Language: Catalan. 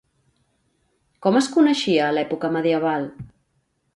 Com es coneixia a l'època medieval?